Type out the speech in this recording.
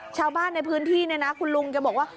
ชาวบ้านในพื้นที่เนี่ยนะคุณลุงแกบอกว่า